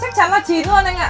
chắc chắn là chín luôn anh ạ